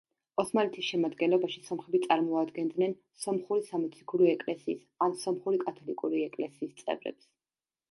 ოსმალეთის შემადგენლობაში სომხები წარმოადგენდნენ სომხური სამოციქულო ეკლესიის ან სომხური კათოლიკური ეკლესიის წევრებს.